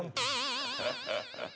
ハハハハ。